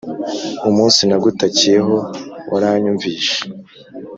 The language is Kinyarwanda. Umunsi nagutakiye ho waranyumvishe